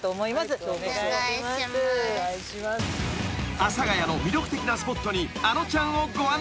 ［阿佐谷の魅力的なスポットにあのちゃんをご案内］